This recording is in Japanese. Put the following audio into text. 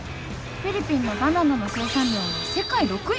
フィリピンのバナナの生産量は世界６位！？